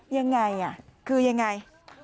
ยังไงคือยังไง